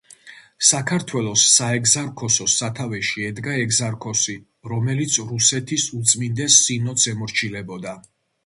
საქართველოს საეგზარქოსოს სათავეში ედგა ეგზარქოსი, რომელიც რუსეთის უწმინდეს სინოდს ემორჩილებოდა.